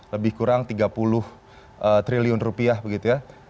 lebih kurang tiga puluh triliun rupiah begitu ya